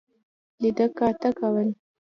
لیده کاته کول.